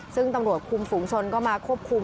ซึ่งตำรวจคุมฝูงชนก็มาควบคุม